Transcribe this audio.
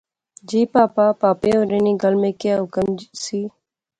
جی پہاپا۔ پہاپے ہوریں نی گل میں کیا حکم سی